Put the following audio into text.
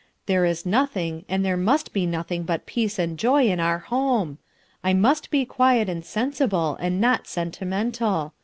There is nothing and there must be nothing but peace and joy in our home. I must be quiet and sensible and not sentimental.